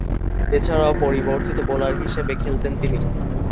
এছাড়াও, পরিবর্তিত বোলার হিসেবে খেলতেন তিনি।